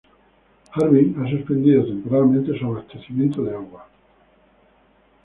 Harbin ha suspendido temporalmente su abastecimiento de agua.